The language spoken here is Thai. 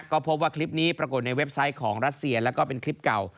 ก็พบว่าคลิปนี้ปรากฏในเว็บไซต์ของรัสเซียแล้วก็เป็นคลิปเก่า